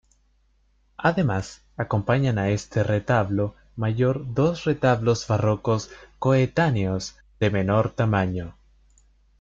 Además, acompañan a este retablo mayor dos retablos barrocos coetáneos de menor tamaño.